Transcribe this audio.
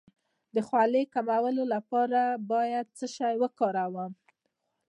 د خولې د کمولو لپاره باید څه شی وکاروم؟